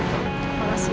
gue juga biul sih